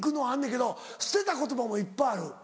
けど捨てた言葉もいっぱいある。